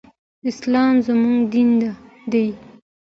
اسلام زمونږ دين دی.